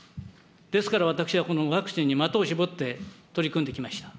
ですから私はこのワクチンに的を絞って取り組んできました。